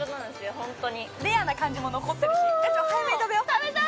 ホントにレアな感じも残ってるし早めに食べよう食べたい！